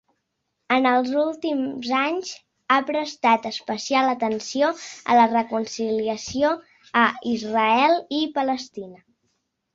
En els últims anys, ha prestat especial atenció a la reconciliació a Israel i Palestina.